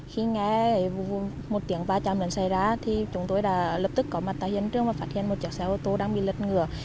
khi nghe một tiếng ba trăm linh lần xảy ra thì chúng tôi đã lập tức có mặt tại hiện trường và phát hiện một chiếc xe ô tô đang bị lật ngừa